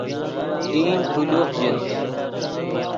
ڈین کولوخ ژے